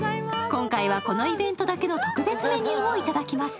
今回はこのイベントだけの特別メニューをいただきます。